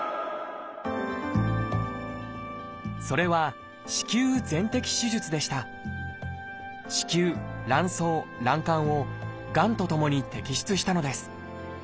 それは子宮卵巣卵管をがんと共に摘出したのです。